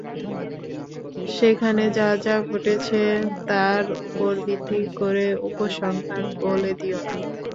সেখানে যা ঘটেছে তার উপর ভিত্তি করে উপসংহার বলে দিও না।